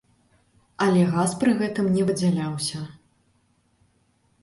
Але газ пры гэтым не выдзяляўся.